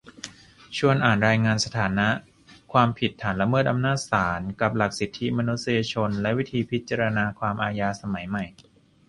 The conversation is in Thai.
ชวนอ่านรายงาน "สถานะ 'ความผิดฐานละเมิดอำนาจศาล' กับหลักสิทธิมนุษยชนและวิธีพิจารณาความอาญาสมัยใหม่"